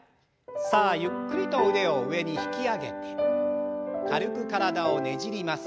さあゆっくりと腕を上に引き上げて軽く体をねじります。